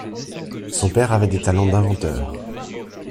Son père avait des talents d'inventeur.